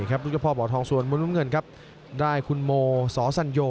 ลูกค้าพ่อบ่อทองสวนมุมเงินได้คุณโมสสัญโย